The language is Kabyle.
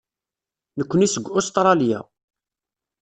Nekkni seg Ustṛalya.